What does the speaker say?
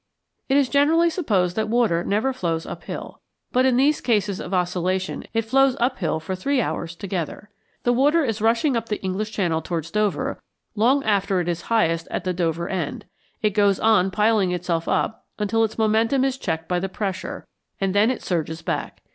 It is generally supposed that water never flows up hill, but in these cases of oscillation it flows up hill for three hours together. The water is rushing up the English Channel towards Dover long after it is highest at the Dover end; it goes on piling itself up, until its momentum is checked by the pressure, and then it surges back.